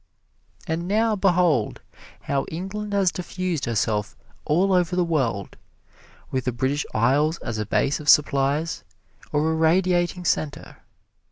And now behold how England has diffused herself all over the world, with the British Isles as a base of supplies, or a radiating center.